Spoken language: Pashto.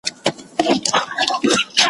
نو پیغام تر ښکلا مهم دی `